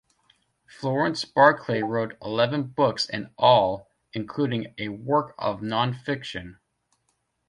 Florence Barclay wrote eleven books in all, including a work of non-fiction.